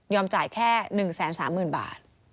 ยอมจ่ายแค่๑แสน๓หมื่นบาท